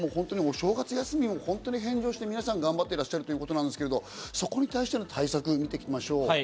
正月休みも返上して皆さん頑張っていらっしゃるということですけど、そこに対しての対策をみていきましょう。